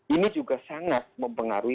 ini juga sangat mempengaruhi